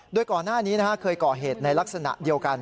โดยก่อนหน้านี้เคยก่อเหตุในลักษณะเดียวกัน